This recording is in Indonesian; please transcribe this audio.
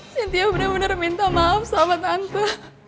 sintia bener bener minta maaf sama tante